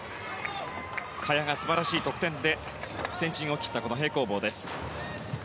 萱が素晴らしい得点で先陣を切った平行棒です。